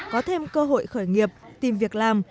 có thêm cơ hội khởi nghiệp tìm việc làm